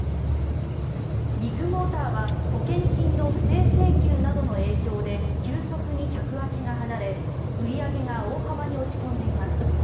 ビッグモーターは保険金の不正請求などの影響で急速に客足が離れ売り上げが大幅に落ち込んでいます。